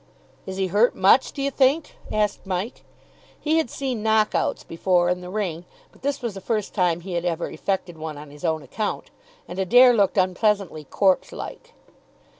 "Is he hurt much, do you think?" asked Mike. He had seen knock outs before in the ring, but this was the first time he had ever effected one on his own account, and Adair looked unpleasantly corpse like.